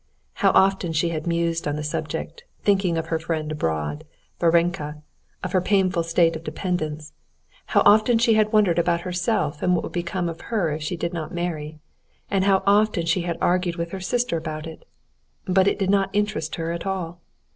How often she had mused on the subject, thinking of her friend abroad, Varenka, of her painful state of dependence, how often she had wondered about herself what would become of her if she did not marry, and how often she had argued with her sister about it! But it did not interest her at all.